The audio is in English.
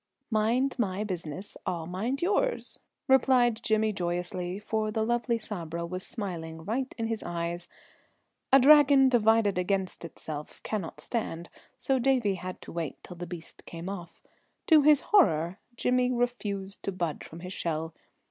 "Mind my business, I'll mind yours," replied Jimmy joyously, for the lovely Sabra was smiling right in his eyes. A Dragon divided against itself cannot stand, so Davie had to wait till the beast came off. To his horror Jimmy refused to budge from his shell.